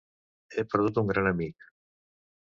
He perdut un gran amic.